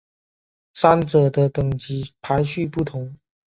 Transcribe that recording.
三者的等级排序不同。